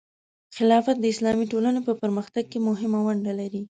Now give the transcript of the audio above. خلافت د اسلامي ټولنې په پرمختګ کې مهمه ونډه لري.